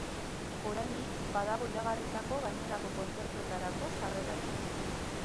Oraindik badago iragarritako gainerako kontzertuetarako sarrerarik.